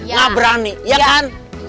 nggak berani iya kan